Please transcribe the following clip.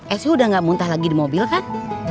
esi udah nggak muntah lagi di mobil kan